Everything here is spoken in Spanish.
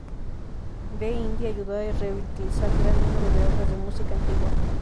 D'Indy ayudó a revitalizar gran número de obras de música antigua.